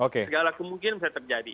segala kemungkinan bisa terjadi